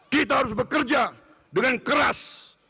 kita harus bekerja dengan keras